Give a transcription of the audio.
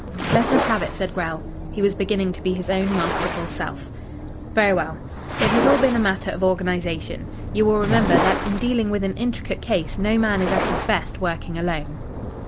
"Let us have it," said Grell. He was beginning to be his own masterful self. "Very well. It has all been a matter of organisation. You will remember, that in dealing with an intricate case no man is at his best working alone.